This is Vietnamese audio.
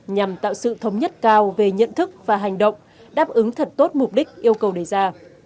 nhằm tạo sự thống nhất cao về nhận thức và hành động đáp ứng thật tốt mục đích yêu cầu đề ra